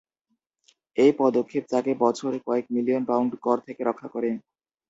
এই পদক্ষেপ তাকে বছরে কয়েক মিলিয়ন পাউন্ড কর থেকে রক্ষা করে।